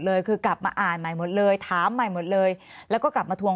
เลยคือกลับมาอ่านใหม่หมดเลยถามใหม่หมดเลยแล้วก็กลับมาทวง